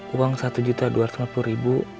uang satu juta dua ratus lima puluh ribu